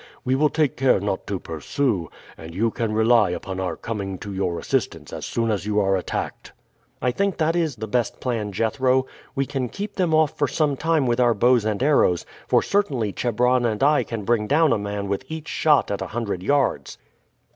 We will take care not to pursue, and you can rely upon our coming to your assistance as soon as you are attacked." "I think that is the best plan, Jethro. We can keep them off for some time with our bows and arrows, for certainly Chebron and I can bring down a man with each shot at a hundred yards."